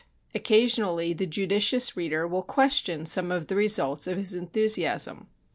Occasionally the judicious reader will question some of the results of his enthusiasm.